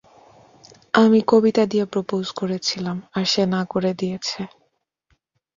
আমি কবিতা দিয়ে প্রপোজ করেছিলাম আর সে না করে দিয়েছে।